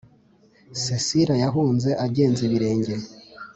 Sisera yahunze agenza ibirenge